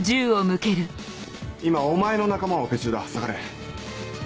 今お前の仲間をオペ中だ下がれ。